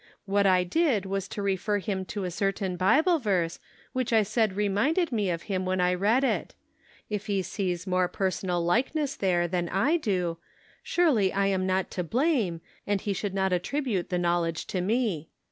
What I did was to refer him to a certain Bible verse which I said re minded me of him when I read it. If he sees more personal likeness there than I do, surely I am not to blame, and he should not attribute the knowledge to me.